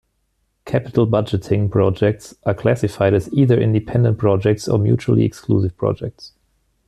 Capital budgeting projects are classified as either Independent Projects or Mutually Exclusive Projects.